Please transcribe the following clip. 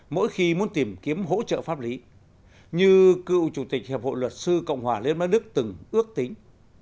mỗi khi muốn tìm kiếm hỗ trợ pháp lý như cựu chủ tịch hiệp hội luật sư cộng hòa liên bang đức từng ước tính